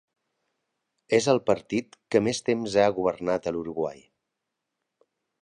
És el partit que més temps ha governat a l'Uruguai.